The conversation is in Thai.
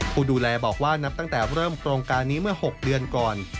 ผู้ดูแลบอกว่านับตั้งแต่เริ่มโครงการนี้เมื่อ๖เดือนก่อน